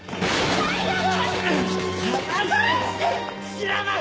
知らない！